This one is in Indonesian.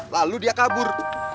lalu dia kabur